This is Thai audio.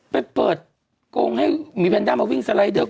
ไปเปิดโกงให้หมีแพนด้ามาวิ่งสไลด์เดอร์